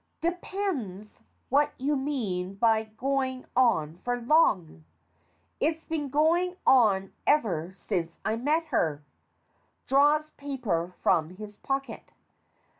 Depends what you mean by "going on for long." It's been going on ever since I met her. (Draws paper from his pocket.)